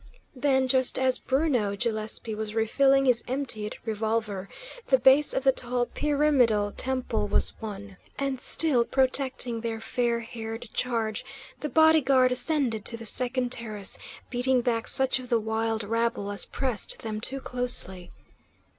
Then, just as Bruno Gillespie was refilling his emptied revolver, the base of the tall pyramidal temple was won, and still protecting their fair haired charge, the body guard ascended to the second terrace, beating back such of the wild rabble as pressed them too closely.